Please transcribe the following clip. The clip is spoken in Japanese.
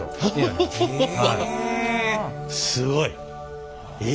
すごい！え！